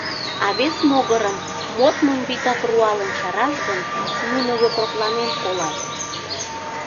А вес могырым, модмым вигак руалын чараш гын, нуно йокрокланен колат.